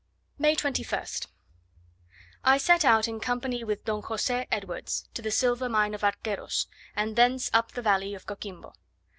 May 21st. I set out in company with Don Jose Edwards to the silver mine of Arqueros, and thence up the valley of Coquimbo.